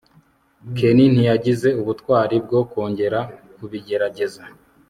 ken ntiyagize ubutwari bwo kongera kubigerageza